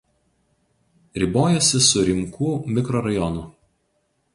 Ribojasi su Rimkų mikrorajonu.